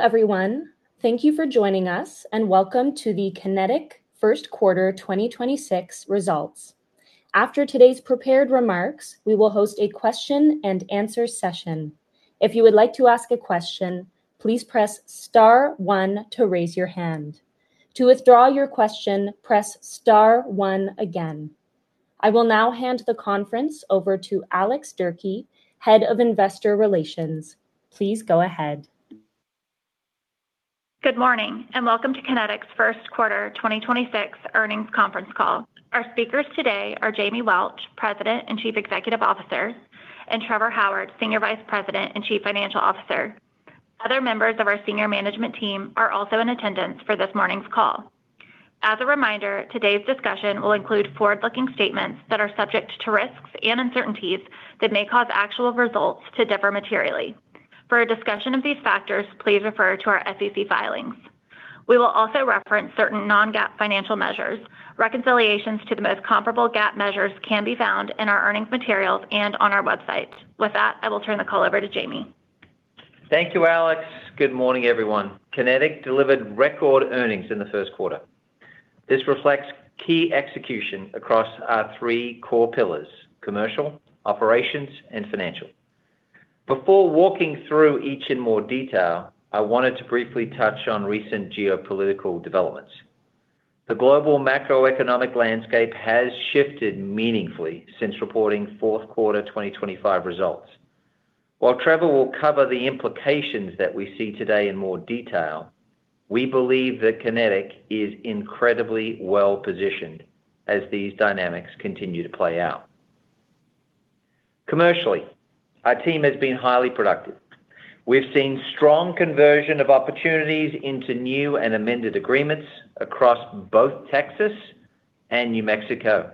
Hello, everyone. Thank you for joining us, and welcome to the Kinetik first quarter 2026 results. After today's prepared remarks, we will host a question-and-answer session. If you would like to ask a question, please press star one to raise your hand. To withdraw your question, press star one again. I will now hand the conference over to Alex Durkee, Head of Investor Relations. Please go ahead. Good morning, welcome to Kinetik's first quarter 2026 earnings conference call. Our speakers today are Jamie Welch, President and Chief Executive Officer, and Trevor Howard, Senior Vice President and Chief Financial Officer. Other members of our senior management team are also in attendance for this morning's call. As a reminder, today's discussion will include forward-looking statements that are subject to risks and uncertainties that may cause actual results to differ materially. For a discussion of these factors, please refer to our SEC filings. We will also reference certain non-GAAP financial measures. Reconciliations to the most comparable GAAP measures can be found in our earnings materials and on our website. With that, I will turn the call over to Jamie. Thank you, Alex. Good morning, everyone. Kinetik delivered record earnings in the 1st quarter. This reflects key execution across our three core pillars: Commercial, Operations, and Financial. Before walking through each in more detail, I wanted to briefly touch on recent geopolitical developments. The global macroeconomic landscape has shifted meaningfully since reporting fourth quarter 2025 results. While Trevor will cover the implications that we see today in more detail, we believe that Kinetik is incredibly well-positioned as these dynamics continue to play out. Commercially, our team has been highly productive. We've seen strong conversion of opportunities into new and amended agreements across both Texas and New Mexico.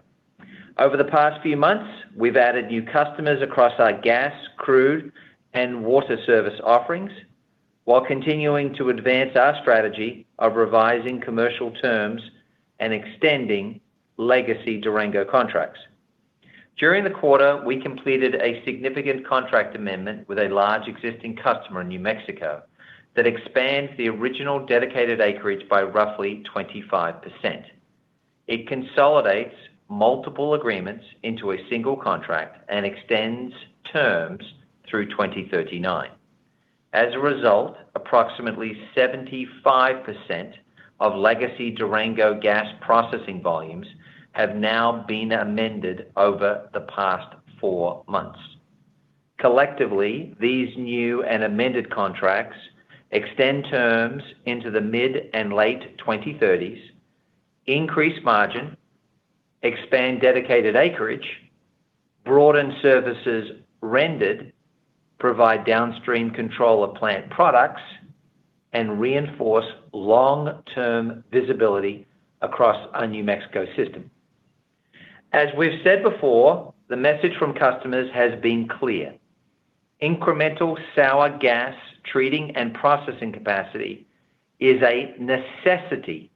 Over the past few months, we've added new customers across our gas, crude, and water service offerings while continuing to advance our strategy of revising commercial terms and extending legacy Durango contracts. During the quarter, we completed a significant contract amendment with a large existing customer in New Mexico that expands the original dedicated acreage by roughly 25%. It consolidates multiple agreements into a single contract and extends terms through 2039. As a result, approximately 75% of legacy Durango gas processing volumes have now been amended over the past four months. Collectively, these new and amended contracts extend terms into the mid and late 2030s, increase margin, expand dedicated acreage, broaden services rendered, provide downstream control of plant products, and reinforce long-term visibility across our New Mexico system. As we've said before, the message from customers has been clear. Incremental sour gas treating and processing capacity is a necessity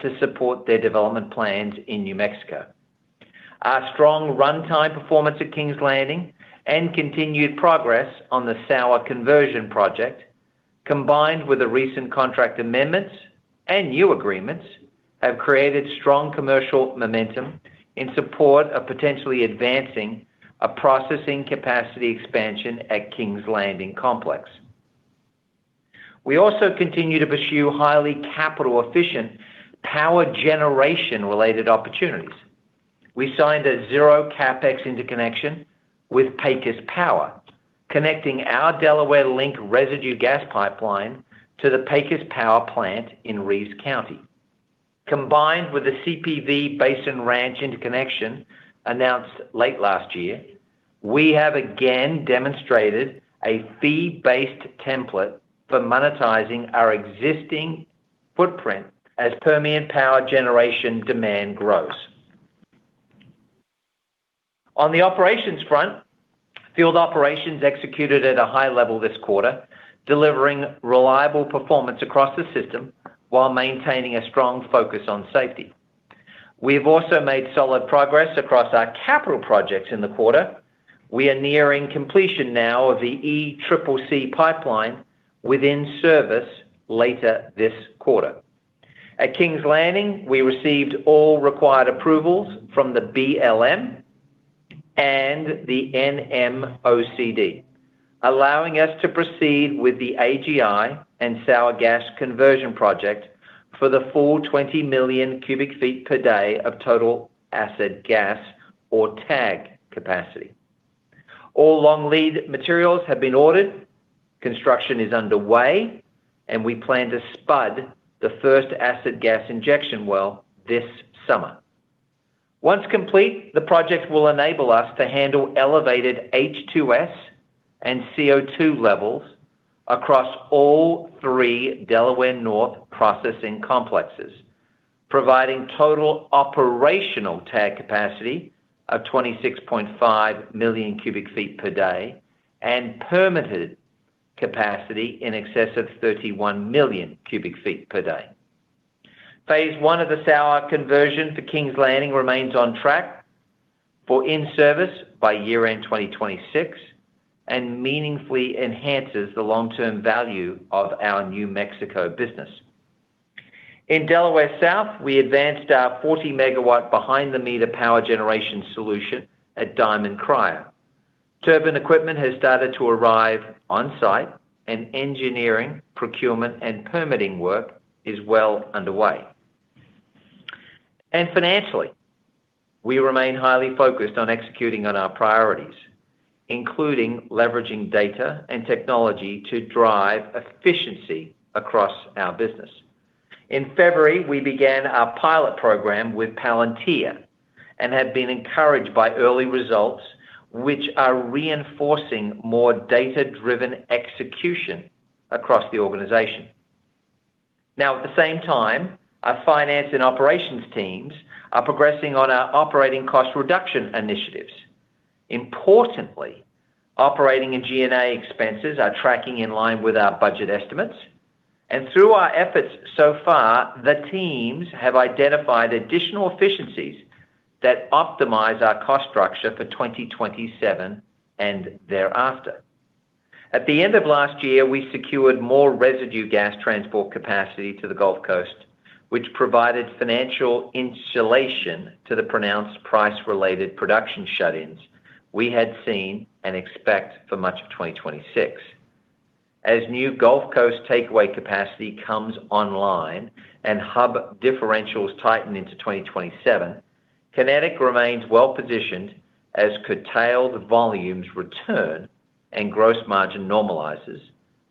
to support their development plans in New Mexico. Our strong runtime performance at Kings Landing and continued progress on the sour conversion project, combined with the recent contract amendments and new agreements, have created strong commercial momentum in support of potentially advancing a processing capacity expansion at Kings Landing Complex. We also continue to pursue highly capital-efficient power generation related opportunities. We signed a zero CapEx interconnection with Pecos Power, connecting our Delaware Link residue gas pipeline to the Pecos Power Plant in Reeves County. Combined with the CPV Basin Ranch interconnection announced late last year, we have again demonstrated a fee-based template for monetizing our existing footprint as Permian power generation demand grows. On the Operations front, field operations executed at a high level this quarter, delivering reliable performance across the system while maintaining a strong focus on safety. We have also made solid progress across our capital projects in the quarter. We are nearing completion now of the ECCC Pipeline within service later this quarter. At Kings Landing, we received all required approvals from the BLM and the NMOCD, allowing us to proceed with the AGI and sour gas conversion project for the full 20 MMcf per day of total acid gas or TAG capacity. All long lead materials have been ordered, construction is underway. We plan to spud the first acid gas injection well this summer. Once complete, the project will enable us to handle elevated H2S and CO2 levels across all 3 Delaware North processing complexes, providing total operational TAG capacity of 26.5 MMcf per day and permitted capacity in excess of 31 MMcf per day. Phase 1 of the sour conversion for Kings Landing remains on track for in-service by year-end 2026 and meaningfully enhances the long-term value of our New Mexico business. In Delaware South, we advanced our 40 MW behind-the-meter power generation solution at Diamond Cryogenic. Turbine equipment has started to arrive on site, and engineering, procurement, and permitting work is well underway. Financially, we remain highly focused on executing on our priorities, including leveraging data and technology to drive efficiency across our business. In February, we began our pilot program with Palantir and have been encouraged by early results, which are reinforcing more data-driven execution across the organization. At the same time, our finance and operations teams are progressing on our operating cost reduction initiatives. Importantly, operating and G&A expenses are tracking in line with our budget estimates. Through our efforts so far, the teams have identified additional efficiencies that optimize our cost structure for 2027 and thereafter. At the end of last year, we secured more residue gas transport capacity to the Gulf Coast, which provided financial insulation to the pronounced price-related production shut-ins we had seen and expect for much of 2026. As new Gulf Coast takeaway capacity comes online and hub differentials tighten into 2027, Kinetik remains well-positioned as curtailed volumes return and gross margin normalizes,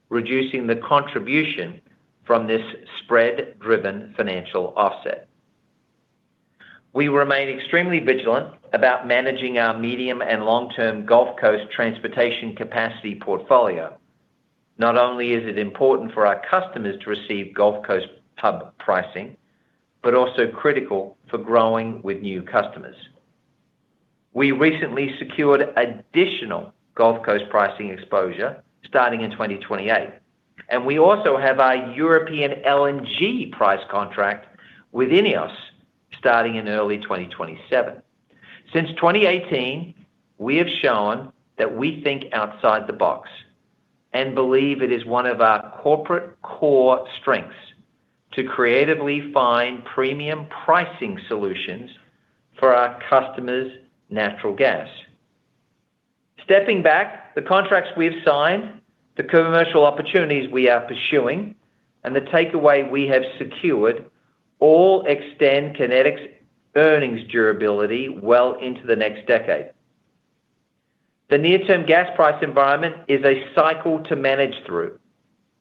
reducing the contribution from this spread-driven financial offset. We remain extremely vigilant about managing our medium- and long-term Gulf Coast transportation capacity portfolio. Not only is it important for our customers to receive Gulf Coast hub pricing, but also critical for growing with new customers. We recently secured additional Gulf Coast pricing exposure starting in 2028, and we also have a European LNG price contract with INEOS starting in early 2027. Since 2018, we have shown that we think outside the box and believe it is one of our corporate core strengths to creatively find premium pricing solutions for our customers' natural gas. Stepping back, the contracts we have signed, the commercial opportunities we are pursuing, and the takeaway we have secured all extend Kinetik's earnings durability well into the next decade. The near-term gas price environment is a cycle to manage through,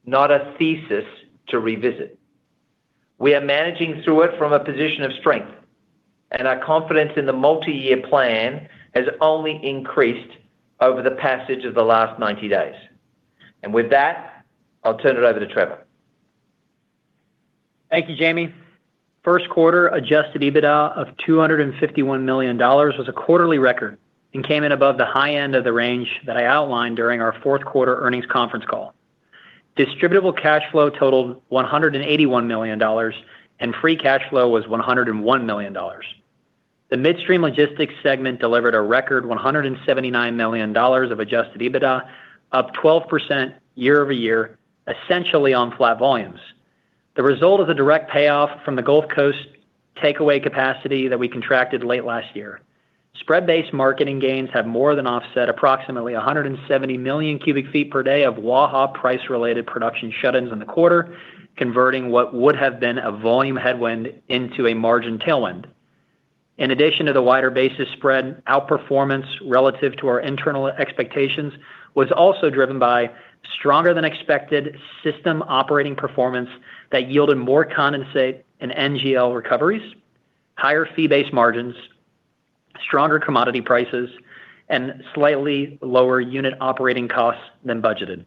not a thesis to revisit. We are managing through it from a position of strength, our confidence in the multi-year plan has only increased over the passage of the last 90 days. With that, I'll turn it over to Trevor. Thank you, Jamie. First quarter adjusted EBITDA of $251 million was a quarterly record and came in above the high end of the range that I outlined during our fourth quarter earnings conference call. Distributable cash flow totaled $181 million, and free cash flow was $101 million. The Midstream Logistics segment delivered a record $179 million of adjusted EBITDA, up 12% year-over-year, essentially on flat volumes. The result of the direct payoff from the Gulf Coast takeaway capacity that we contracted late last year. Spread-based marketing gains have more than offset approximately 170 MMcf per day of Waha price-related production shut-ins in the quarter, converting what would have been a volume headwind into a margin tailwind. In addition to the wider basis spread, outperformance relative to our internal expectations was also driven by stronger-than-expected system operating performance that yielded more condensate and NGL recoveries, higher fee-based margins, stronger commodity prices, and slightly lower unit operating costs than budgeted.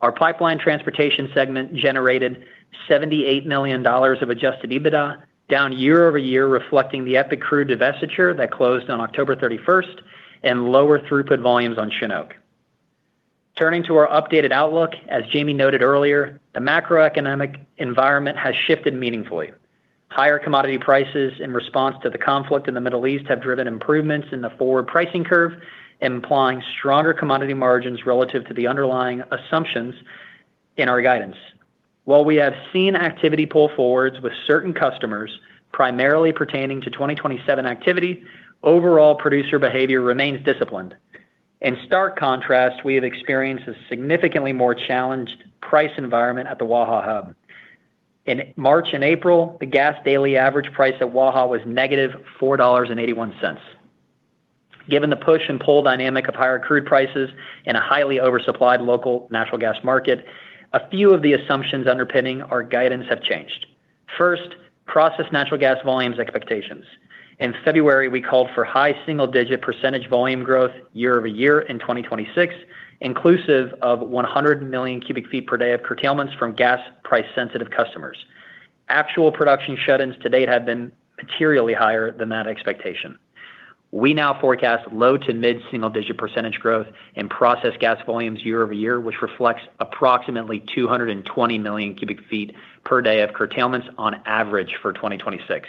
Our Pipeline Transportation segment generated $78 million of adjusted EBITDA, down year-over-year, reflecting the EPIC Crude divestiture that closed on October 31st and lower throughput volumes on Chinook. Turning to our updated outlook, as Jamie noted earlier, the macroeconomic environment has shifted meaningfully. Higher commodity prices in response to the conflict in the Middle East have driven improvements in the forward pricing curve, implying stronger commodity margins relative to the underlying assumptions in our guidance. While we have seen activity pull forwards with certain customers, primarily pertaining to 2027 activity, overall producer behavior remains disciplined. In stark contrast, we have experienced a significantly more challenged price environment at the Waha Hub. In March and April, the gas daily average price at Waha was -$4.81. Given the push and pull dynamic of higher crude prices and a highly oversupplied local natural gas market, a few of the assumptions underpinning our guidance have changed. First, processed natural gas volumes expectations. In February, we called for high single-digit percentage volume growth year-over-year in 2026, inclusive of 100 MMcf per day of curtailments from gas price-sensitive customers. Actual production shut-ins to date have been materially higher than that expectation. We now forecast low to mid single-digit percentage growth in process gas volumes year-over-year, which reflects approximately 220 MMcf per day of curtailments on average for 2026.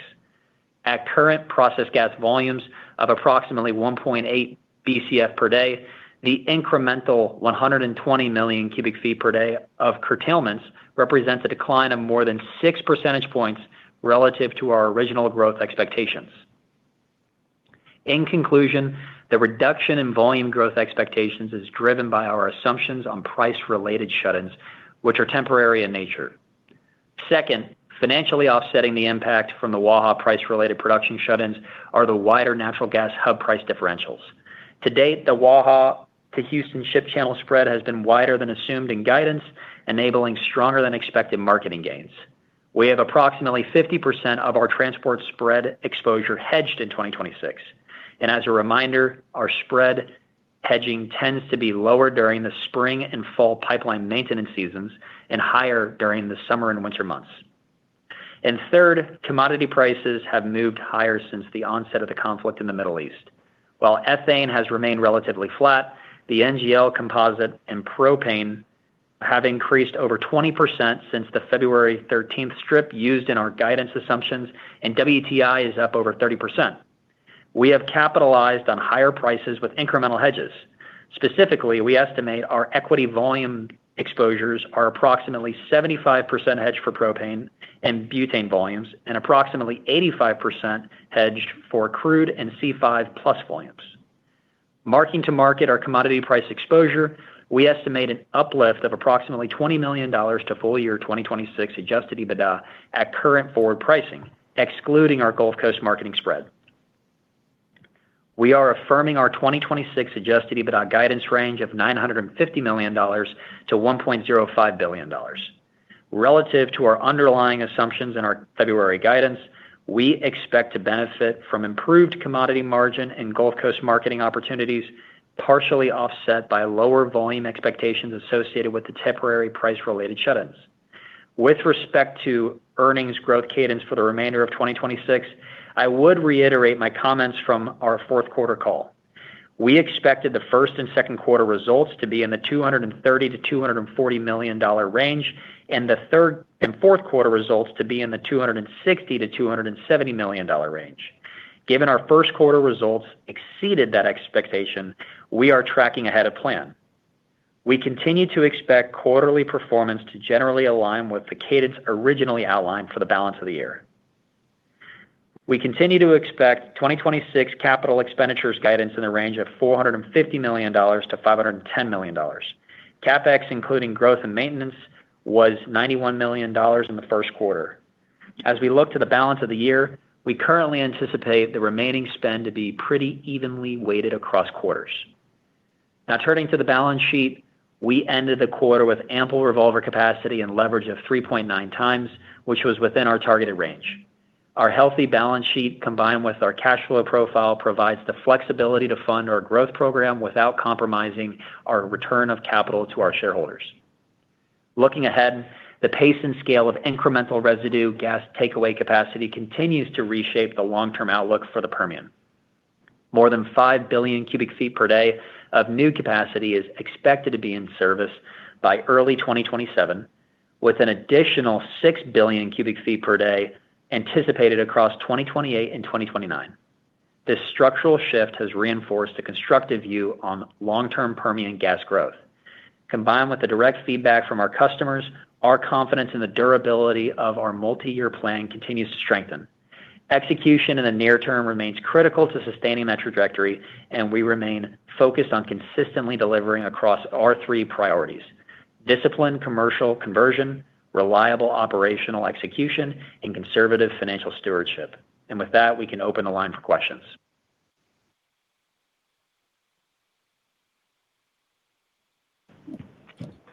At current process gas volumes of approximately 1.8 BCF per day, the incremental 120 MMcf per day of curtailments represents a decline of more than 6 percentage points relative to our original growth expectations. In conclusion, the reduction in volume growth expectations is driven by our assumptions on price related shut-ins, which are temporary in nature. Second, financially offsetting the impact from the Waha price related production shut-ins are the wider natural gas hub price differentials. To date, the Waha to Houston Ship Channel spread has been wider than assumed in guidance, enabling stronger than expected marketing gains. We have approximately 50% of our transport spread exposure hedged in 2026. As a reminder, our spread hedging tends to be lower during the spring and fall pipeline maintenance seasons and higher during the summer and winter months. Third, commodity prices have moved higher since the onset of the conflict in the Middle East. While ethane has remained relatively flat, the NGL composite and propane have increased over 20% since the February 13th strip used in our guidance assumptions, and WTI is up over 30%. We have capitalized on higher prices with incremental hedges. Specifically, we estimate our equity volume exposures are approximately 75% hedged for propane and butane volumes and approximately 85% hedged for crude and C5 plus points. Marking-to-market our commodity price exposure, we estimate an uplift of approximately $20 million to full-year 2026 adjusted EBITDA at current forward pricing, excluding our Gulf Coast marketing spread. We are affirming our 2026 adjusted EBITDA guidance range of $950 million to $1.05 billion. Relative to our underlying assumptions in our February guidance, we expect to benefit from improved commodity margin and Gulf Coast marketing opportunities, partially offset by lower volume expectations associated with the temporary price related shut-ins. With respect to earnings growth cadence for the remainder of 2026, I would reiterate my comments from our fourth quarter call. We expected the 1st and 2nd quarter results to be in the $230 million-$240 million range, and the third and fourth quarter results to be in the $260 million-$270 million range. Given our first quarter results exceeded that expectation, we are tracking ahead of plan. We continue to expect quarterly performance to generally align with the cadence originally outlined for the balance of the year. We continue to expect 2026 capital expenditures guidance in the range of $450 million-$510 million. CapEx, including growth and maintenance, was $91 million in the first quarter. As we look to the balance of the year, we currently anticipate the remaining spend to be pretty evenly weighted across quarters. Now turning to the balance sheet, we ended the quarter with ample revolver capacity and leverage of 3.9x, which was within our targeted range. Our healthy balance sheet, combined with our cash flow profile, provides the flexibility to fund our growth program without compromising our return of capital to our shareholders. Looking ahead, the pace and scale of incremental residue gas takeaway capacity continues to reshape the long term outlook for the Permian. More than 5 Bcf per day of new capacity is expected to be in service by early 2027, with an additional 6 Bcf per day anticipated across 2028 and 2029. This structural shift has reinforced a constructive view on long-term Permian gas growth. Combined with the direct feedback from our customers, our confidence in the durability of our multi-year plan continues to strengthen. Execution in the near term remains critical to sustaining that trajectory, we remain focused on consistently delivering across our three priorities: disciplined commercial conversion, reliable operational execution, and conservative financial stewardship. With that, we can open the line for questions.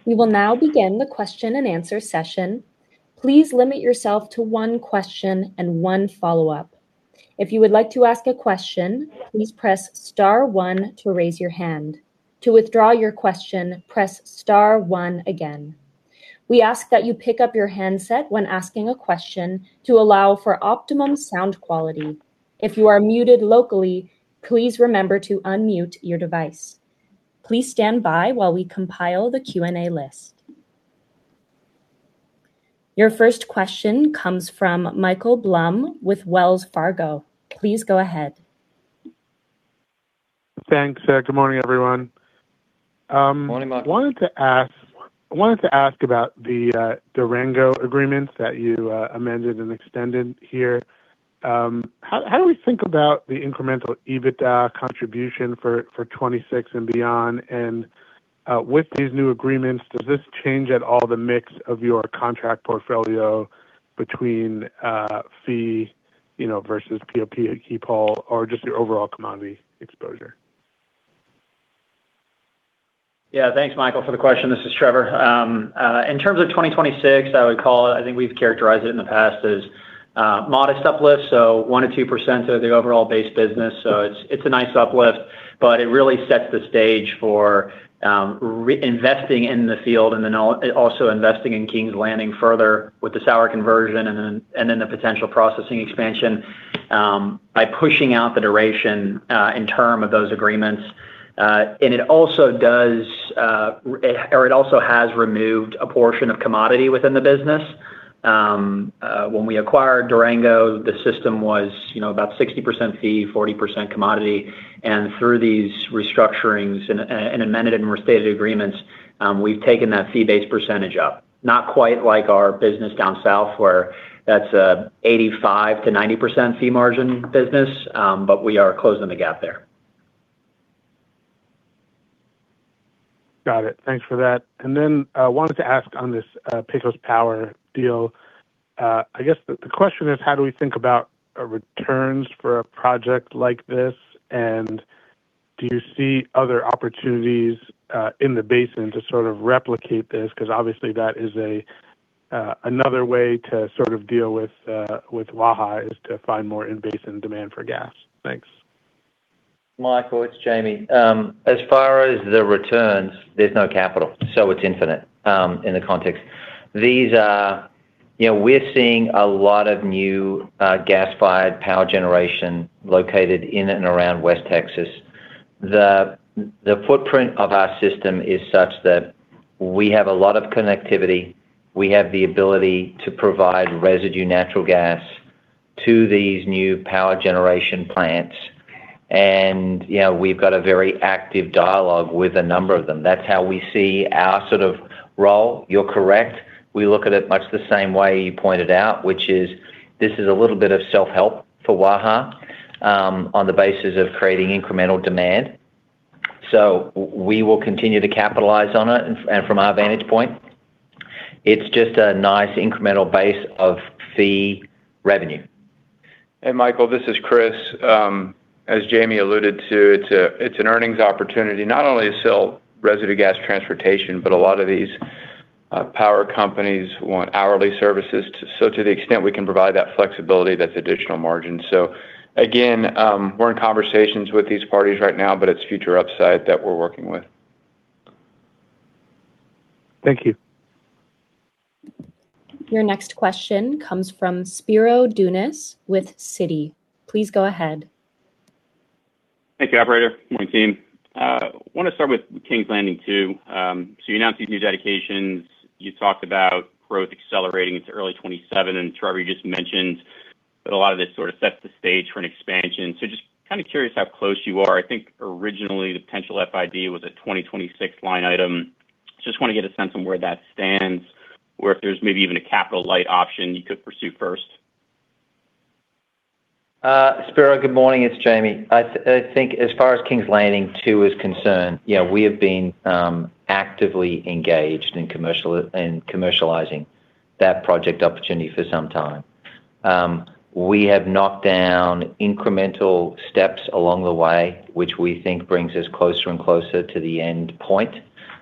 We will now begin the question-and-answer session. Please limit yourself to one question and one follow-up. If you would like to ask a question, please press star one to raise your hand. To withdraw your question, press star one again. We ask that you pick up your handset when asking a question to allow for optimum sound quality. If you are muted locally, please remember to unmute your device. Please stand by while we compile the Q&A list. Your first question comes from Michael Blum with Wells Fargo. Please go ahead. Thanks. Good morning, everyone. Morning, Michael. I wanted to ask about the Durango agreements that you amended and extended here. How do we think about the incremental EBITDA contribution for 2026 and beyond? With these new agreements, does this change at all the mix of your contract portfolio between fee, you know, versus POP at keep-whole or just your overall commodity exposure? Yeah. Thanks, Michael, for the question. This is Trevor. In terms of 2026, I would call it, I think we've characterized it in the past as a modest uplift, so 1%-2% of the overall base business. But it really sets the stage for re-investing in the field and then also investing in Kings Landing further with the sour conversion and then, and then the potential processing expansion by pushing out the duration and term of those agreements. And it also does, or it also has removed a portion of commodity within the business. When we acquired Durango, the system was, you know, about 60% fee, 40% commodity. And through these restructurings and amended and restated agreements, we've taken that fee-based percentage up. Not quite like our business down south, where that's a 85%-90% fee margin business, but we are closing the gap there. Got it. Thanks for that. Then I wanted to ask on this Pecos Power deal. I guess the question is, how do we think about returns for a project like this? Do you see other opportunities in the basin to sort of replicate this? 'Cause obviously that is a another way to sort of deal with Waha is to find more in-basin demand for gas. Thanks. Michael, it's Jamie. As far as the returns, there's no capital, so it's infinite, in the context. You know, we're seeing a lot of new gas-fired power generation located in and around West Texas. The footprint of our system is such that we have a lot of connectivity. We have the ability to provide residue natural gas to these new power generation plants. You know, we've got a very active dialogue with a number of them. That's how we see our sort of role. You're correct. We look at it much the same way you pointed out, which is this is a little bit of self-help for Waha, on the basis of creating incremental demand. We will continue to capitalize on it. From our vantage point, it's just a nice incremental base of fee revenue. Michael, this is Kris. As Jamie alluded to, it's an earnings opportunity not only to sell residue gas transportation, but a lot of these power companies want hourly services. So to the extent we can provide that flexibility, that's additional margin. Again, we're in conversations with these parties right now, but it's future upside that we're working with. Thank you. Your next question comes from Spiro Dounis with Citi. Please go ahead. Thank you, operator. Morning, team. Wanna start with Kings Landing II. You announced these new dedications. You talked about growth accelerating into early 2027. Trevor, you just mentioned that a lot of this sort of sets the stage for an expansion. Just kinda curious how close you are. I think originally the potential FID was a 2026 line item. Just wanna get a sense on where that stands or if there's maybe even a capital light option you could pursue first. Spiro, good morning. It's Jamie. I think as far as Kings Landing II is concerned, you know, we have been actively engaged in commercializing that project opportunity for some time. We have knocked down incremental steps along the way, which we think brings us closer and closer to the end point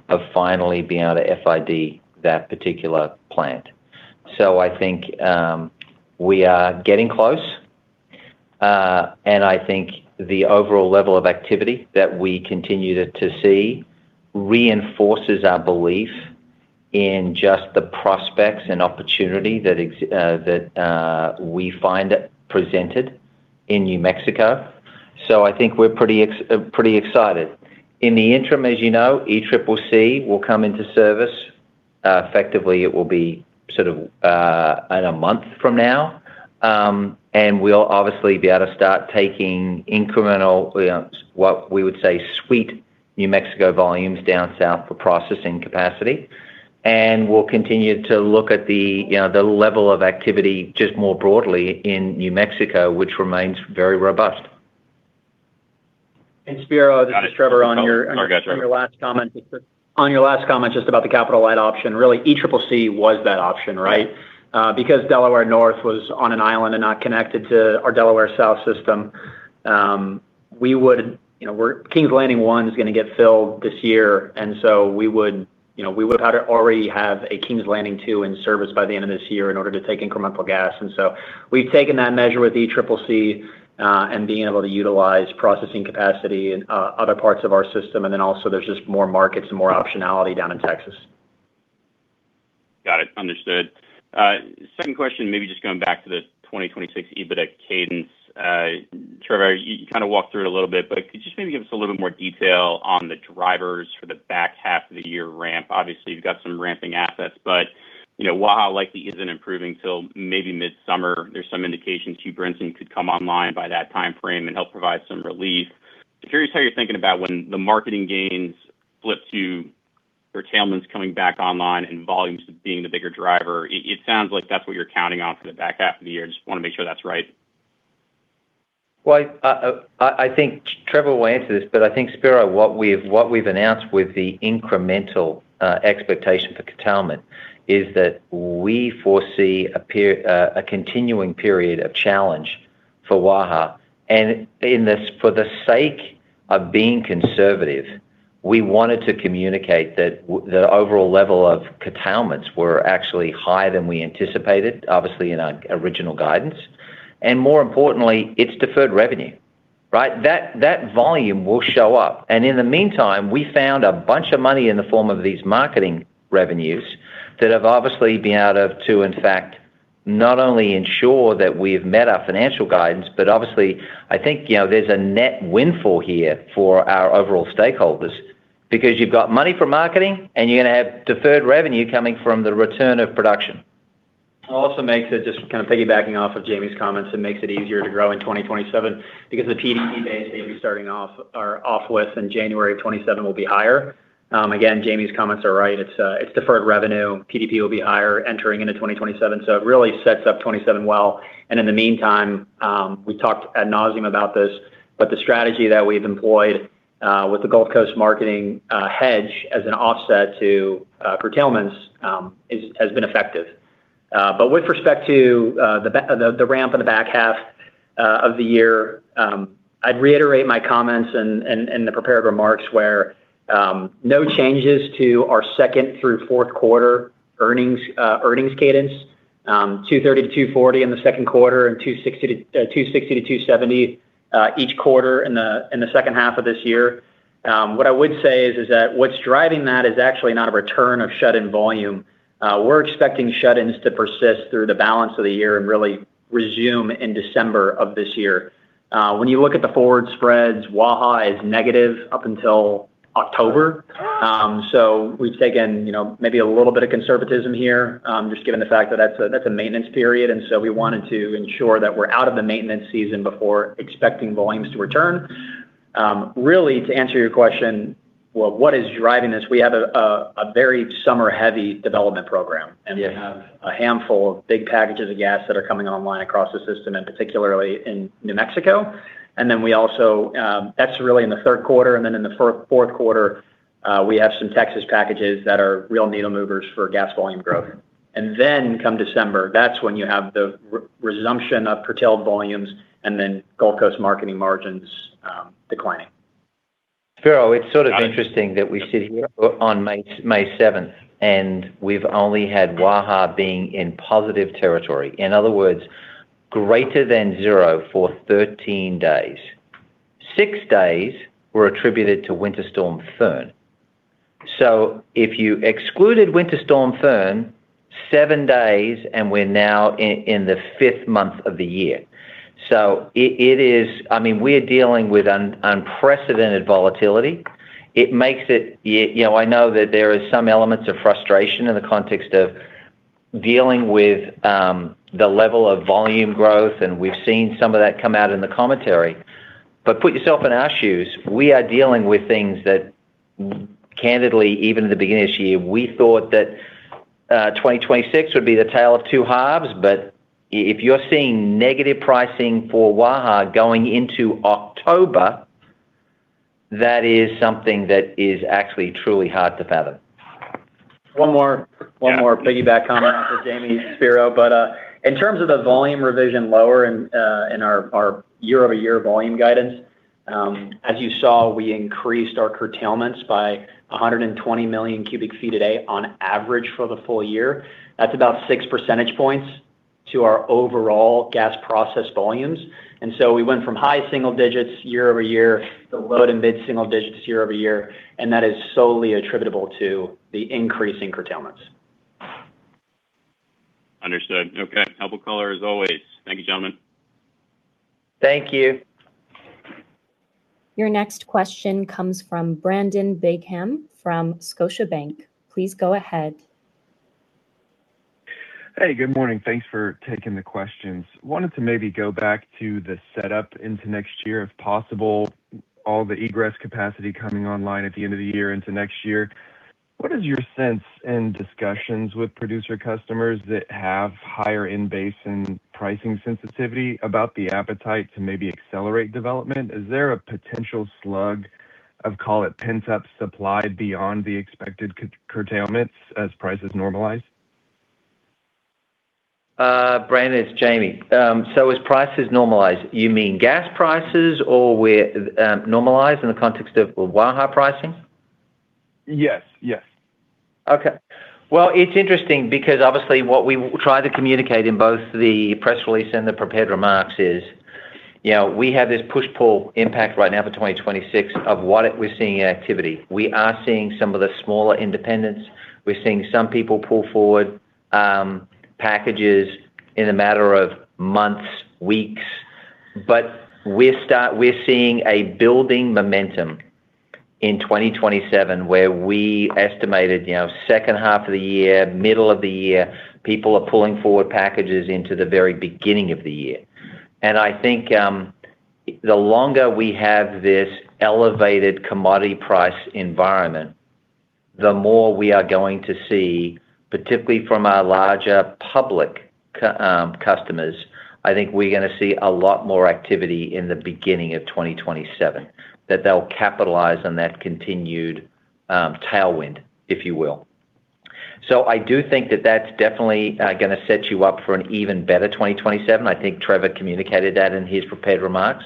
of finally being able to FID that particular plant. I think we are getting close. I think the overall level of activity that we continue to see reinforces our belief in just the prospects and opportunity that we find presented in New Mexico. I think we're pretty excited. In the interim, as you know, ECCC will come into service. Effectively it will be sort of in a month from now. We'll obviously be able to start taking incremental, you know, what we would say sweet New Mexico volumes down south for processing capacity. We'll continue to look at the, you know, the level of activity just more broadly in New Mexico, which remains very robust. Spiro. Got it. This is Trevor Howard. No, go Trevor. On your last comment just about the capital light option. Really, ECCC was that option, right? Yeah. Because Delaware North was on an island and not connected to our Delaware South system, we would, you know, Kings Landing I is going to get filled this year, we would, you know, we would have to already have a Kings Landing II in service by the end of this year in order to take incremental gas. We've taken that measure with ECCC and being able to utilize processing capacity in other parts of our system. Also there's just more markets and more optionality down in Texas. Got it. Understood. Second question, maybe just going back to the 2026 EBITDA cadence. Trevor, you kinda walked through it a little bit, but could you just maybe give us a little bit more detail on the drivers for the back half of the year ramp? Obviously, you've got some ramping assets, but you know, Waha likely isn't improving till maybe mid-summer. There's some indications [Cube] could come online by that timeframe and help provide some relief. Curious how you're thinking about when the marketing gains flip to curtailments coming back online and volumes being the bigger driver. It sounds like that's what you're counting on for the back half of the year. Just wanna make sure that's right. Well, I think Trevor will answer this, but I think, Spiro, what we've announced with the incremental expectation for curtailment is that we foresee a continuing period of challenge for Waha. In the sake of being conservative, we wanted to communicate that the overall level of curtailments were actually higher than we anticipated, obviously in our original guidance. More importantly, it's deferred revenue, right? That volume will show up. In the meantime, we found a bunch of money in the form of these marketing revenues that have obviously been able to in fact not only ensure that we've met our financial guidance, but obviously I think, you know, there's a net windfall here for our overall stakeholders because you've got money for marketing and you're gonna have deferred revenue coming from the return of production. It also makes it, just kind of piggybacking off of Jamie's comments, it makes it easier to grow in 2027 because the PDP base that you're starting off with in January of 2027 will be higher. Again, Jamie's comments are right. It's deferred revenue. PDP will be higher entering into 2027, so it really sets up 2027 well. In the meantime, we talked ad nauseam about this, but the strategy that we've employed with the Gulf Coast marketing hedge as an offset to curtailments has been effective. But with respect to the ramp in the back half of the year, I'd reiterate my comments in the prepared remarks where no changes to our second through fourth quarter earnings cadence, $230 million-$240 million in the second quarter and $260 million-$270 million each quarter in the second half of this year. What I would say is that what's driving that is actually not a return of shut-in volume. We're expecting shut-ins to persist through the balance of the year and really resume in December of this year. When you look at the forward spreads, Waha is negative up until October. We've taken, you know, maybe a little bit of conservatism here, just given the fact that that's a, that's a maintenance period. We wanted to ensure that we're out of the maintenance season before expecting volumes to return. Really to answer your question, well, what is driving this? We have a, a very summer-heavy development program, and we have a handful of big packages of gas that are coming online across the system and particularly in New Mexico. We also, that's really in the third quarter. In the fourth quarter, we have some Texas packages that are real needle movers for gas volume growth. Come December, that's when you have the resumption of curtailed volumes and then Gulf Coast marketing margins declining. Spiro, it's sort of interesting that we sit here on May 7th, and we've only had Waha being in positive territory, in other words, greater than zero for 13 days. Six days were attributed to Winter Storm Fern. If you excluded Winter Storm Fern, seven days, and we're now in the fifth month of the year. It is, I mean, we're dealing with unprecedented volatility. It makes it you know, I know that there is some elements of frustration in the context of dealing with the level of volume growth, we've seen some of that come out in the commentary. Put yourself in our shoes. We are dealing with things that, candidly, even at the beginning of this year, we thought that 2026 would be the tale of two halves. If you're seeing negative pricing for Waha going into October, that is something that is actually truly hard to fathom. One more piggyback comment after Jamie, Spiro. In terms of the volume revision lower in our year-over-year volume guidance, as you saw, we increased our curtailments by 120 MMcf a day on average for the full year. That's about 6 percentage points to our overall gas process volumes. We went from high single digits year-over-year to low to mid single digits year-over-year, and that is solely attributable to the increase in curtailments. Understood. Okay. Helpful color as always. Thank you, gentlemen. Thank you. Your next question comes from Brandon Bingham from Scotiabank. Please go ahead. Hey, good morning. Thanks for taking the questions. Wanted to maybe go back to the setup into next year, if possible, all the egress capacity coming online at the end of the year into next year. What is your sense in discussions with producer customers that have higher in-basin pricing sensitivity about the appetite to maybe accelerate development? Is there a potential slug of, call it, pent-up supply beyond the expected curtailments as prices normalize? Brandon, it's Jamie. As prices normalize, you mean gas prices or where, normalize in the context of Waha pricing? Yes. Yes. Okay. Well, it's interesting because obviously what we try to communicate in both the press release and the prepared remarks is, you know, we have this push-pull impact right now for 2026 of what we're seeing in activity. We are seeing some of the smaller independents. We're seeing some people pull forward, packages in a matter of months, weeks. We're seeing a building momentum in 2027 where we estimated, you know, second half of the year, middle of the year, people are pulling forward packages into the very beginning of the year. I think the longer we have this elevated commodity price environment, the more we are going to see, particularly from our larger public customers, I think we are going to see a lot more activity in the beginning of 2027, that they will capitalize on that continued tailwind, if you will. I do think that that is definitely going to set you up for an even better 2027. I think Trevor communicated that in his prepared remarks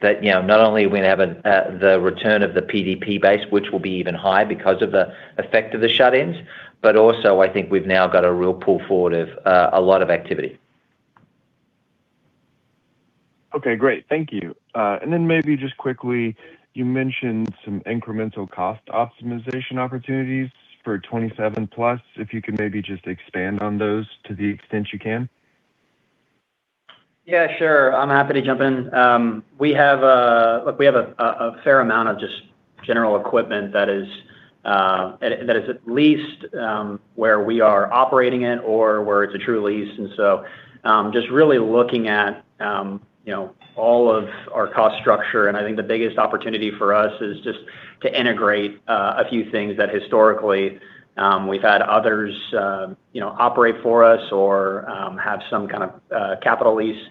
that not only are we going to have the return of the PDP base, which will be even higher because of the effect of the shut-ins, but also I think we have now got a real pull forward of a lot of activity. Okay, great. Thank you. Maybe just quickly, you mentioned some incremental cost optimization opportunities for 2027+, if you can maybe just expand on those to the extent you can? Yeah, sure. I'm happy to jump in. We have a fair amount of just general equipment that is at least where we are operating it or where it's a true lease. Just really looking at, you know, all of our cost structure, and I think the biggest opportunity for us is just to integrate a few things that historically, we've had others, you know, operate for us or have some kind of capital lease.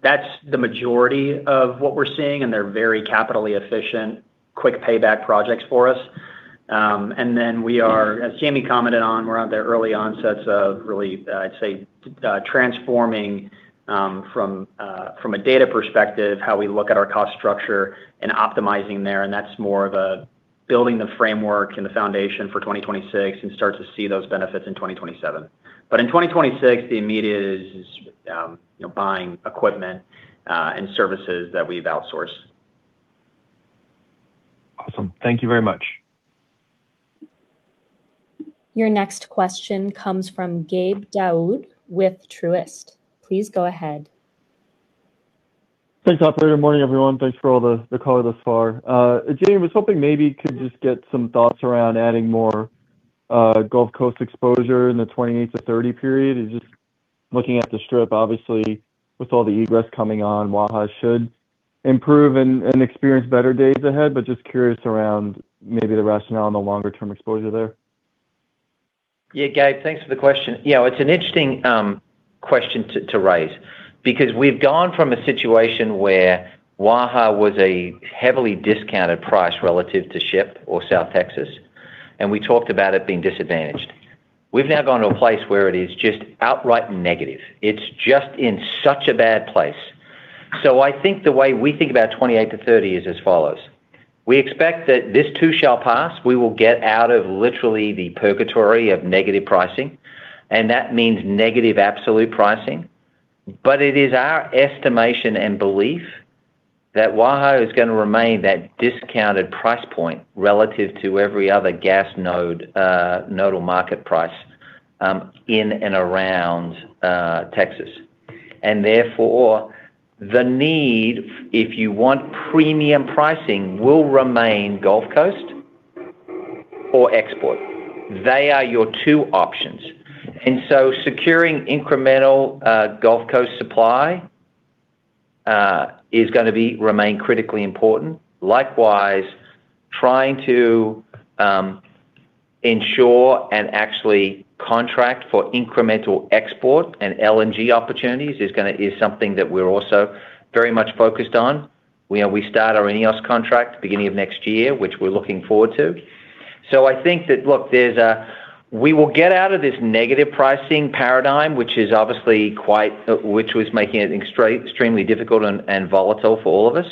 That's the majority of what we're seeing, and they're very capitally efficient, quick payback projects for us. Then we are, as Jamie commented on, we're on the early onsets of really, I'd say, transforming, from a data perspective, how we look at our cost structure and optimizing there, and that's more of a building the framework and the foundation for 2026 and start to see those benefits in 2027. In 2026, the immediate is, you know, buying equipment and services that we've outsourced. Awesome. Thank you very much. Your next question comes from Gabe Daoud with Truist. Please go ahead. Thanks, operator. Morning, everyone. Thanks for all the color thus far. Jamie, I was hoping maybe could just get some thoughts around adding more Gulf Coast exposure in the 2028-2030 period. Just looking at the strip, obviously with all the egress coming on, Waha should improve and experience better days ahead, just curious around maybe the rationale on the longer term exposure there. Yeah, Gabe, thanks for the question. You know, it's an interesting question to raise because we've gone from a situation where Waha was a heavily discounted price relative to Ship or South Texas, and we talked about it being disadvantaged. We've now gone to a place where it is just outright negative. It's just in such a bad place. I think the way we think about 2028-2030 is as follows. We expect that this too shall pass. We will get out of literally the purgatory of negative pricing, and that means negative absolute pricing. It is our estimation and belief that Waha is gonna remain that discounted price point relative to every other gas node, nodal market price in and around Texas. Therefore, the need, if you want premium pricing, will remain Gulf Coast or export. They are your two options. Securing incremental Gulf Coast supply is going to remain critically important. Likewise, trying to ensure and actually contract for incremental export and LNG opportunities is something that we're also very much focused on. You know, we start our INEOS contract beginning of next year, which we're looking forward to. I think that, look, we will get out of this negative pricing paradigm, which is obviously quite, which was making everything extremely difficult and volatile for all of us,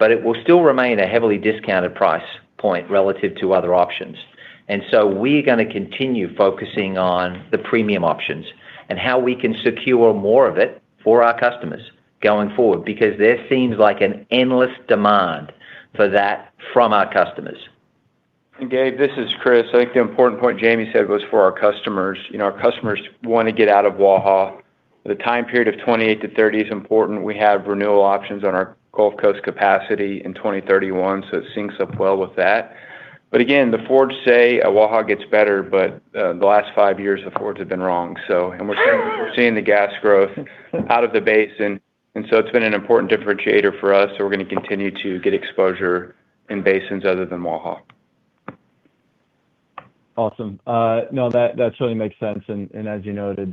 it will still remain a heavily discounted price point relative to other options. We are going to continue focusing on the premium options and how we can secure more of it for our customers going forward because there seems like an endless demand for that from our customers. Gabe, this is Kris. I think the important point Jamie said was for our customers. You know, our customers wanna get out of Waha. The time period of 2028-2030 is important. We have renewal options on our Gulf Coast capacity in 2031, it syncs up well with that. Again, the forwards say Waha gets better, but the last five years, the forwards have been wrong. We're seeing the gas growth out of the basin, it's been an important differentiator for us, we're gonna continue to get exposure in basins other than Waha. Awesome. No, that certainly makes sense. As you noted,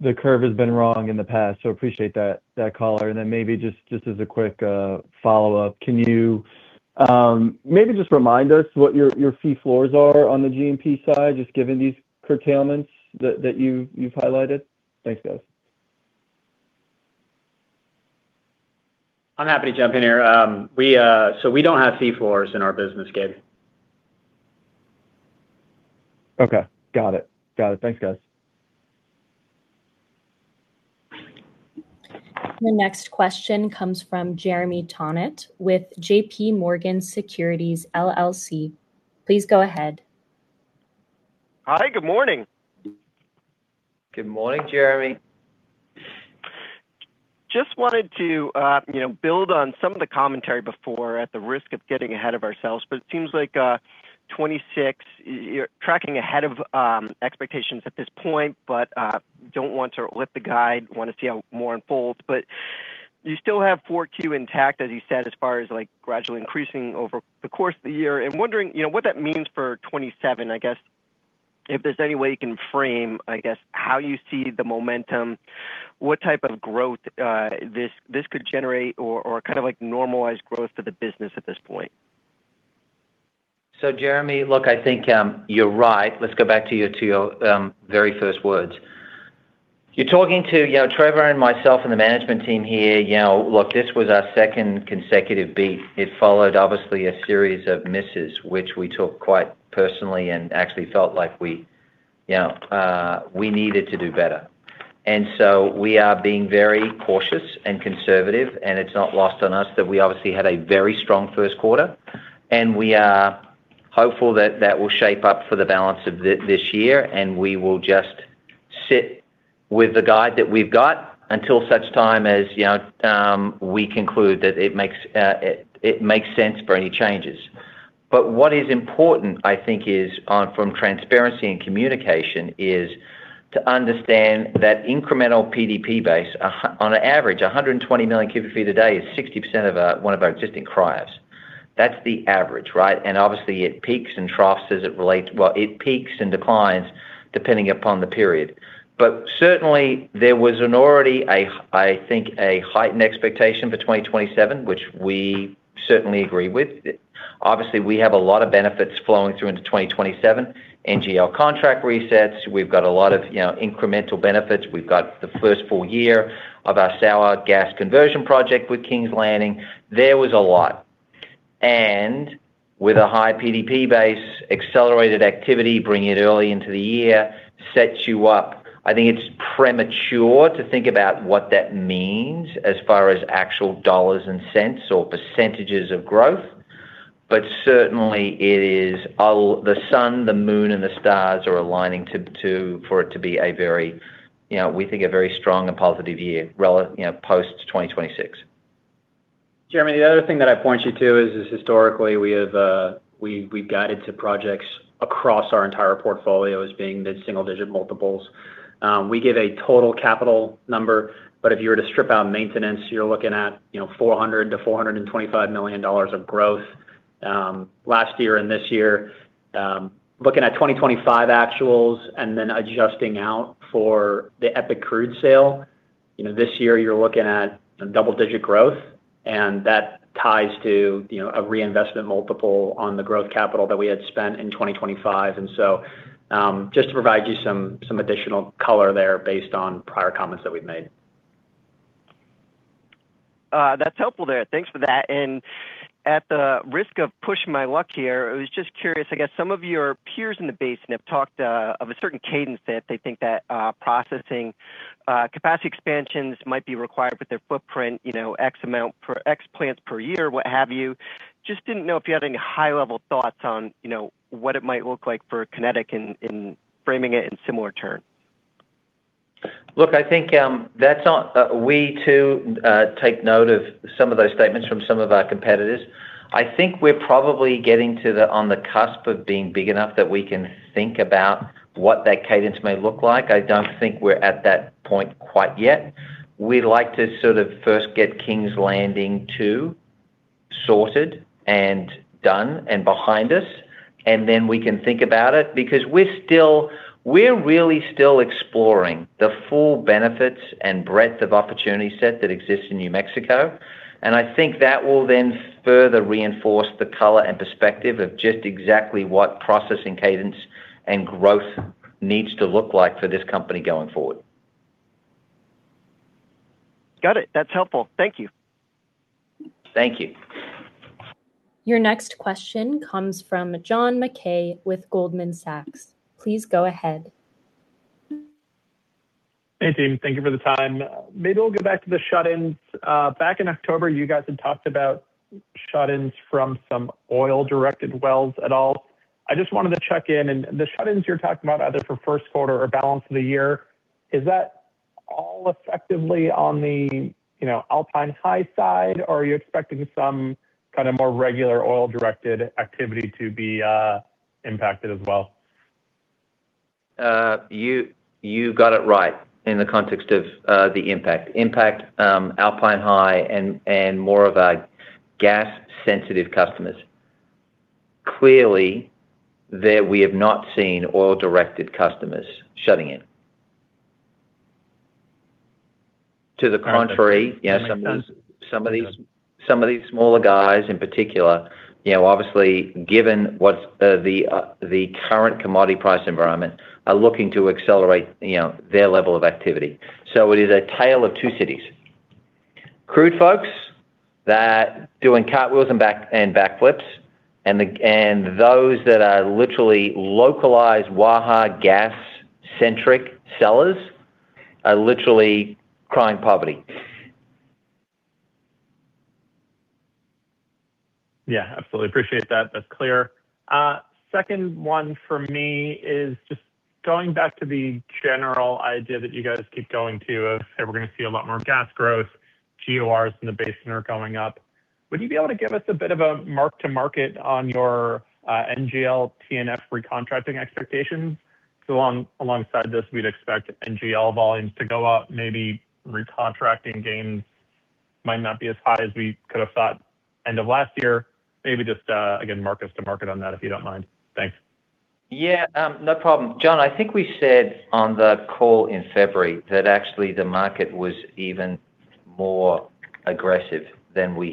the curve has been wrong in the past, so appreciate that color. Maybe just as a quick follow-up, can you maybe just remind us what your fee floors are on the G&P side, just given these curtailments that you've highlighted? Thanks, guys. I'm happy to jump in here. We don't have fee floors in our business, Gabe. Okay. Got it. Got it. Thanks, guys. The next question comes from Jeremy Tonet with JPMorgan Securities LLC. Please go ahead. Hi, good morning. Good morning, Jeremy. Just wanted to, you know, build on some of the commentary before at the risk of getting ahead of ourselves, but it seems like you're tracking ahead of expectations at this point, but don't want to lift the guide, wanna see how more unfolds. You still have 4Q intact, as you said, as far as like gradually increasing over the course of the year. I'm wondering, you know, what that means for 2027, I guess. If there's any way you can frame, I guess, how you see the momentum, what type of growth, this could generate or kind of like normalized growth for the business at this point. Jeremy, look, I think, you're right. Let's go back to your very first words. You're talking to, you know, Trevor and myself and the management team here. You know, look, this was our second consecutive beat. It followed obviously a series of misses, which we took quite personally and actually felt like we, you know, we needed to do better. We are being very cautious and conservative, and it's not lost on us that we obviously had a very strong first quarter. We are hopeful that that will shape up for the balance of this year, and we will just sit with the guide that we've got until such time as, you know, we conclude that it makes sense for any changes. What is important, I think, is from transparency and communication, is to understand that incremental PDP base, on average, 120 MMcf a day is 60% of our, one of our existing cryos. That's the average, right? Obviously it peaks and troughs as it relates. Well, it peaks and declines depending upon the period. Certainly there was an already, I think, a heightened expectation for 2027, which we certainly agree with. Obviously, we have a lot of benefits flowing through into 2027. NGL contract resets. We've got a lot of, you know, incremental benefits. We've got the first full-year of our sour gas conversion project with Kings Landing. There was a lot. With a high PDP base, accelerated activity, bring it early into the year, sets you up. I think it's premature to think about what that means as far as actual dollars and cents or percentages of growth. Certainly it is the sun, the moon, and the stars are aligning to for it to be a very, you know, we think a very strong and positive year, you know, post 2026. Jeremy, the other thing that I'd point you to is, historically we've guided to projects across our entire portfolio as being the single digit multiples. We give a total capital number, but if you were to strip out maintenance, you're looking at, you know, $400 million-$425 million of growth last year and this year. Looking at 2025 actuals and then adjusting out for the EPIC Crude sale, you know, this year you're looking at double-digit growth, and that ties to, you know, a reinvestment multiple on the growth capital that we had spent in 2025. Just to provide you some additional color there based on prior comments that we've made. That's helpful there. Thanks for that. At the risk of pushing my luck here, I was just curious, I guess some of your peers in the basin have talked of a certain cadence that they think that processing capacity expansions might be required with their footprint, you know, X plants per year, what have you. Just didn't know if you had any high level thoughts on, you know, what it might look like for Kinetik in framing it in similar terms. I think that's not. We too take note of some of those statements from some of our competitors. I think we're probably getting on the cusp of being big enough that we can think about what that cadence may look like. I don't think we're at that point quite yet. We'd like to sort of first get Kings Landing II sorted and done and behind us, and then we can think about it because we're really still exploring the full benefits and breadth of opportunity set that exists in New Mexico. I think that will then further reinforce the color and perspective of just exactly what processing cadence and growth needs to look like for this company going forward. Got it. That's helpful. Thank you. Thank you. Your next question comes from John Mackay with Goldman Sachs. Please go ahead. Hey, team. Thank you for the time. Maybe we'll go back to the shut-ins. Back in October, you guys had talked about shut-ins from some oil-directed wells at all. I just wanted to check in. The shut-ins you're talking about either for first quarter or balance of the year, is that all effectively on the, you know, Alpine High side, or are you expecting some kind of more regular oil-directed activity to be impacted as well? You got it right in the context of the impact, Alpine High and more of our gas-sensitive customers. Clearly, there we have not seen oil-directed customers shutting in. To the contrary. Okay. Yeah, some of these smaller guys in particular, you know, obviously, given what's the current commodity price environment, are looking to accelerate, you know, their level of activity. It is a tale of two cities. Crude folks that doing cartwheels and back flips, and those that are literally localized Waha gas-centric sellers are literally crying poverty. Yeah, absolutely. Appreciate that. That's clear. Second one for me is just going back to the general idea that you guys keep going to of, say, we're gonna see a lot more gas growth, GORs in the basin are going up. Would you be able to give us a bit of a mark to market on your NGL T&F recontracting expectations? Alongside this, we'd expect NGL volumes to go up, maybe recontracting gains Might not be as high as we could have thought end of last year. Maybe just, again, mark to market on that, if you don't mind. Thanks. Yeah, no problem. John, I think we said on the call in February that actually the market was even more aggressive than we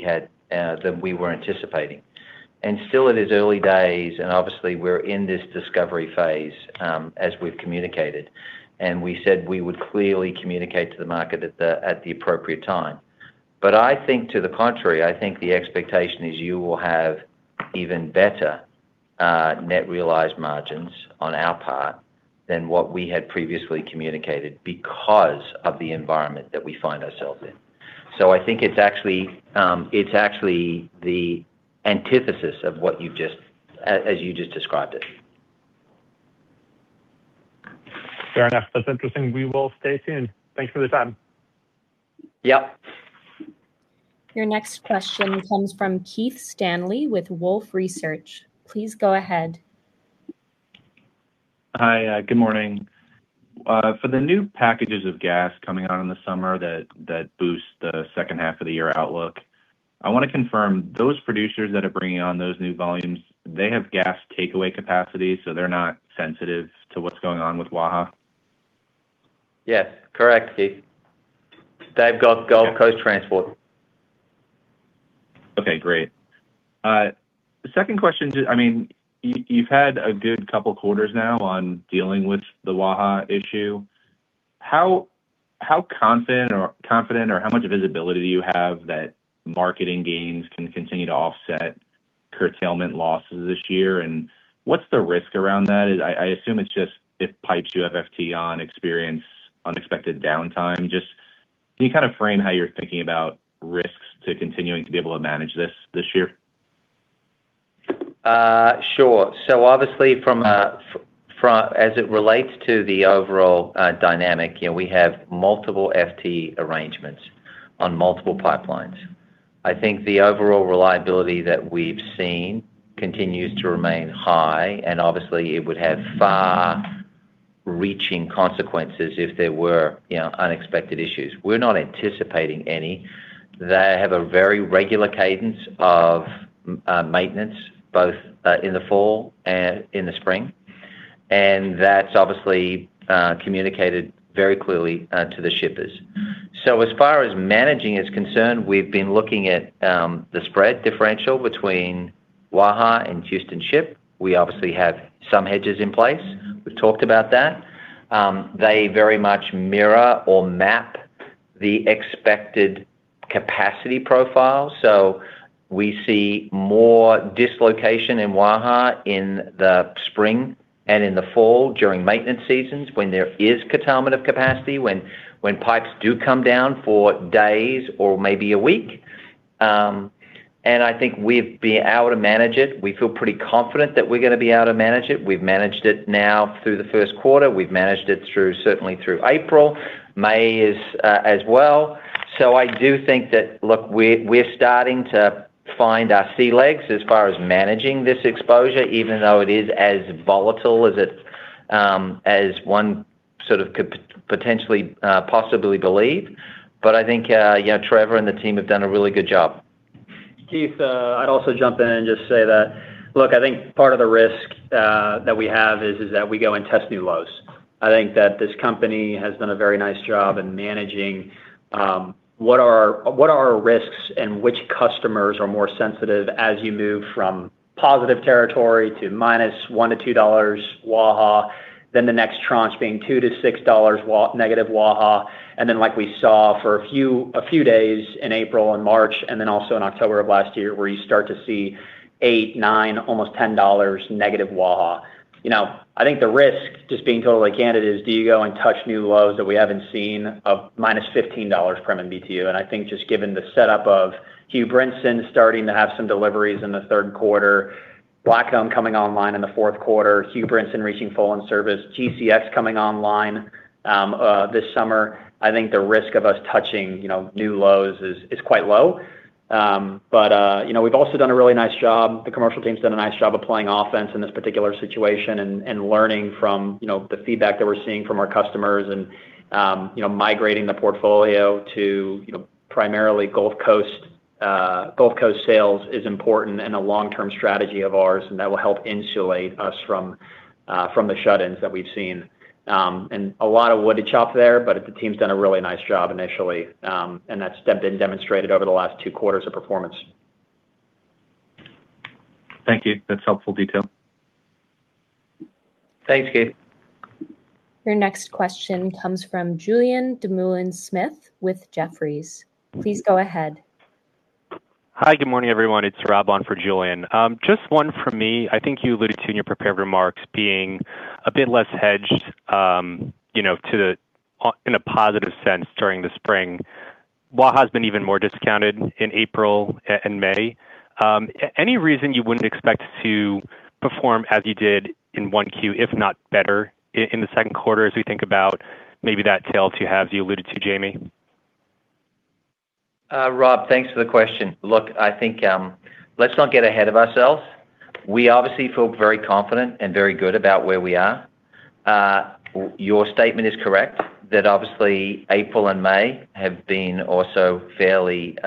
were anticipating. Still it is early days, and obviously we're in this discovery phase, as we've communicated. We said we would clearly communicate to the market at the appropriate time. I think to the contrary, I think the expectation is you will have even better, net realized margins on our part than what we had previously communicated because of the environment that we find ourselves in. I think it's actually the antithesis of as you just described it. Fair enough. That's interesting. We will stay tuned. Thanks for the time. Yep. Your next question comes from Keith Stanley with Wolfe Research. Please go ahead. Hi. good morning. For the new packages of gas coming out in the summer that boost the second half of the year outlook, I wanna confirm those producers that are bringing on those new volumes, they have gas takeaway capacity, so they're not sensitive to what's going on with Waha? Yes. Correct, Keith. Okay Gulf Coast transport. Okay, great. The second question I mean, you've had a good couple quarters now on dealing with the Waha issue. How confident or how much visibility do you have that marketing gains can continue to offset curtailment losses this year? What's the risk around that? I assume it's just if pipes you have FT on experience unexpected downtime. Just can you kind of frame how you're thinking about risks to continuing to be able to manage this this year? Sure. Obviously as it relates to the overall dynamic, you know, we have multiple FT arrangements on multiple pipelines. I think the overall reliability that we've seen continues to remain high, and obviously it would have far-reaching consequences if there were, you know, unexpected issues. We're not anticipating any. They have a very regular cadence of maintenance, both in the fall and in the spring, and that's obviously communicated very clearly to the shippers. As far as managing is concerned, we've been looking at the spread differential between Waha and Houston Ship. We obviously have some hedges in place. We've talked about that. They very much mirror or map the expected capacity profile. We see more dislocation in Waha in the spring and in the fall during maintenance seasons when pipes do come down for days or maybe a week. I think we'd be able to manage it. We feel pretty confident that we're gonna be able to manage it. We've managed it now through the first quarter. We've managed it through, certainly through April. May is as well. I do think that, look, we're starting to find our sea legs as far as managing this exposure, even though it is as volatile as it as one sort of could potentially possibly believe. I think, yeah, Trevor and the team have done a really good job. Keith, I'd also jump in and just say that, look, I think part of the risk that we have is that we go and test new lows. I think that this company has done a very nice job in managing what are our risks and which customers are more sensitive as you move from positive territory to -$1 to -$2 Waha, then the next tranche being -$2 to -$6 negative Waha. Like we saw for a few days in April and March, and then also in October of last year, where you start to see $8, $9, almost $10- Waha. You know, I think the risk, just being totally candid, is do you go and touch new lows that we haven't seen of -$15 per MMBtu. I think just given the setup of Hugh Brinson starting to have some deliveries in the third quarter, Blackcomb Pipeline coming online in the fourth quarter, Hugh Brinson reaching full in service, Gulf Coast Express Pipeline coming online this summer, I think the risk of us touching, you know, new lows is quite low. You know, we've also done a really nice job. The commercial team's done a nice job of playing offense in this particular situation and learning from, you know, the feedback that we're seeing from our customers and, you know, migrating the portfolio to, you know, primarily Gulf Coast. Gulf Coast sales is important and a long-term strategy of ours, that will help insulate us from the shut-ins that we've seen. A lot of wood to chop there, but the team's done a really nice job initially, and that's been demonstrated over the last two quarters of performance. Thank you. That's helpful detail. Thanks, Keith. Your next question comes from Julien Dumoulin-Smith with Jefferies. Please go ahead. Hi. Good morning, everyone. It's Rob on for Julien. Just one from me. I think you alluded to in your prepared remarks being a bit less hedged, you know, in a positive sense during the spring. Waha has been even more discounted in April and May. Any reason you wouldn't expect to perform as you did in 1Q, if not better in the second quarter as we think about maybe that tail two halves you alluded to, Jamie? Rob, thanks for the question. Look, I think, let's not get ahead of ourselves. We obviously feel very confident and very good about where we are. Your statement is correct that obviously April and May have been also fairly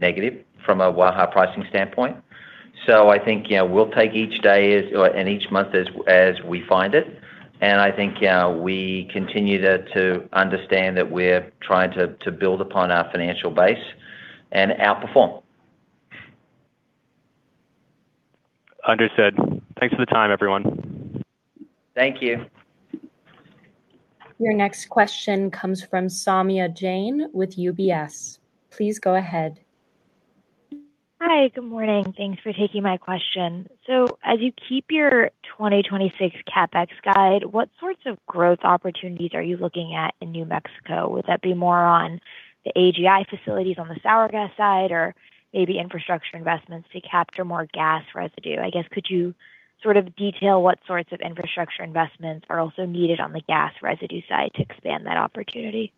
negative from a Waha pricing standpoint. I think, yeah, we'll take each day as, or, and each month as we find it. I think, yeah, we continue to understand that we're trying to build upon our financial base and outperform. Understood. Thanks for the time, everyone. Thank you. Your next question comes from Saumya Jain with UBS. Please go ahead. Hi, good morning. Thanks for taking my question. As you keep your 2026 CapEx guide, what sorts of growth opportunities are you looking at in New Mexico? Would that be more on the AGI facilities on the sour gas side, or maybe infrastructure investments to capture more gas residue? I guess, could you sort of detail what sorts of infrastructure investments are also needed on the gas residue side to expand that opportunity?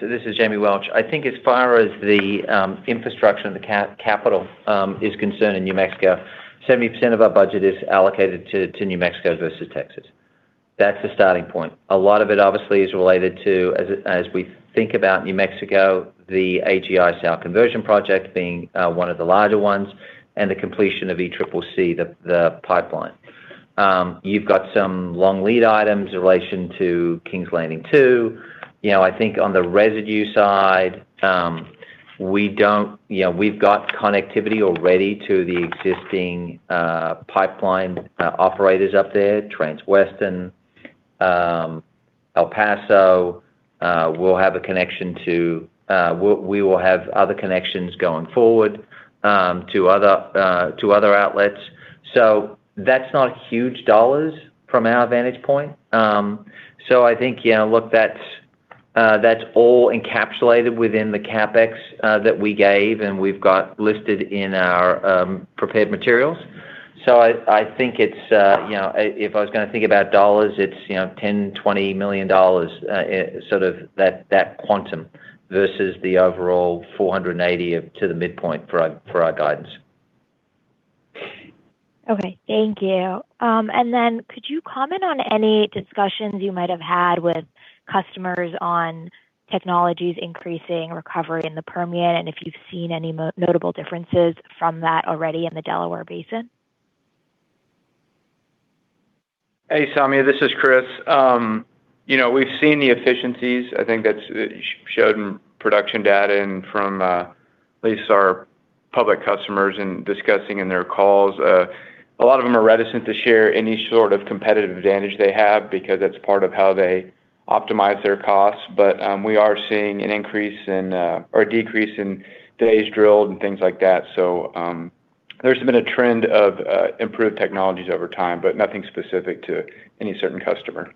This is Jamie Welch. As far as the infrastructure and the capital is concerned in New Mexico, 70% of our budget is allocated to New Mexico versus Texas. That's the starting point. A lot of it obviously is related to, as we think about New Mexico, the AGI sour conversion project being one of the larger ones and the completion of ECCC, the pipeline. You've got some long lead items in relation to Kings Landing II. You know, on the residue side, we don't, you know, we've got connectivity already to the existing pipeline operators up there, Transwestern. El Paso, we'll have a connection to, we will have other connections going forward to other outlets. That's not huge dollars from our vantage point. I think that's all encapsulated within the CapEx that we gave and we've got listed in our prepared materials. I think it's, if I was gonna think about dollars, it's $10 million-$20 million sort of that quantum versus the overall $480 million of to the midpoint for our, for our guidance. Okay, thank you. Then could you comment on any discussions you might have had with customers on technologies increasing recovery in the Permian, and if you've seen any notable differences from that already in the Delaware Basin? Hey, Saumya, this is Kris. You know, we've seen the efficiencies. I think it showed in production data and from at least our public customers in discussing in their calls. A lot of them are reticent to share any sort of competitive advantage they have because that's part of how they optimize their costs. We are seeing an increase in or decrease in days drilled and things like that. There's been a trend of improved technologies over time, but nothing specific to any certain customer.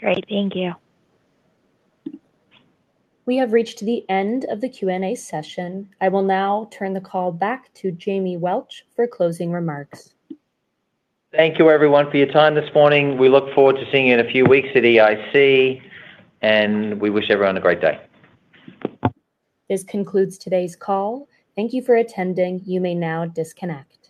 Great. Thank you. We have reached the end of the Q&A session. I will now turn the call back to Jamie Welch for closing remarks. Thank you everyone for your time this morning. We look forward to seeing you in a few weeks at EIC, and we wish everyone a great day. This concludes today's call. Thank you for attending. You may now disconnect.